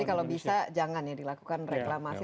jadi kalau bisa jangan ya dilakukan reklamasi